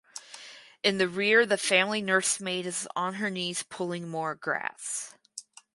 In the rear the family nursemaid is on her knees pulling more grass.